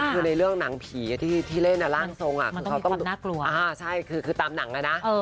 คือในเรื่องนางผีที่เล่นนาร่างทรง